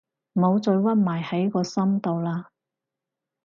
唔好再屈埋喺個心度喇